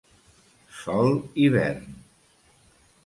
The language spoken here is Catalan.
Sol i vern.